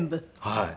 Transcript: はい。